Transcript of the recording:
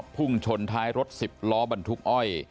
พุ่งชนท้ายรถสิบล้อบรรทุกอ้อย